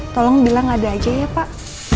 tolong bilang ada aja ya pak